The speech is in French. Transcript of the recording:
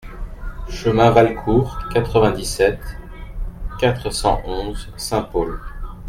Chemin Valcourt, quatre-vingt-dix-sept, quatre cent onze Saint-Paul